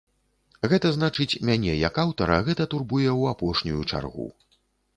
Гэта значыць, мяне, як аўтара, гэта турбуе ў апошнюю чаргу.